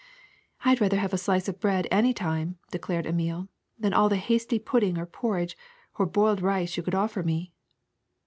'' ^^I 'd rather have a slice of bread, any time,'* de clared Emile, ^Hhan all the hasty pudding or por ridge or boiled rice you could offer me.